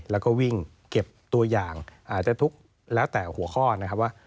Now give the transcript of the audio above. แล้วก็วิ่งเก็บตัวอย่างได้ทุกแล้วแต่หัวข้อนะครับว่า